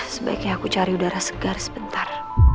sebaiknya aku cari udara segar sebentar